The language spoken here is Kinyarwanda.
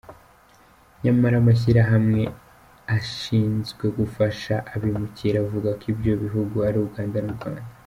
Nyamara amashyirahamwe ashinzwe gufasha abimukira avuga ko ibyo bihugu ari Uganda n’u Rwanda.